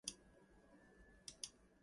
He identified his orientation as bisexual.